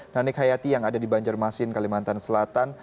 nanik hayati yang ada di banjarmasin kalimantan selatan